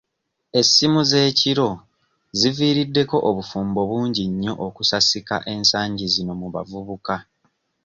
Essimu z'ekiro ziviiriddeko obufumbo bungi nnyo okusasika ensangi zino mu bavubuka.